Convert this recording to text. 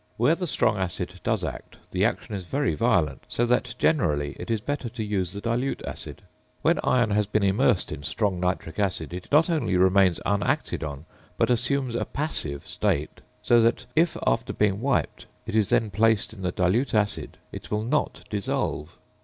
Where the strong acid does act the action is very violent, so that generally it is better to use the dilute acid. When iron has been immersed in strong nitric acid it not only remains unacted on, but assumes a passive state; so that if, after being wiped, it is then placed in the dilute acid, it will not dissolve.